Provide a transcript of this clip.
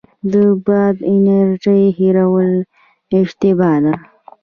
د باد انرژۍ هیرول اشتباه ده.